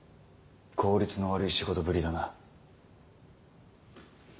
効率の悪い仕事ぶりだな。